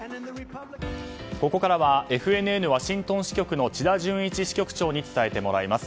ここからはＦＮＮワシントン支局の千田淳一支局長に伝えてもらいます。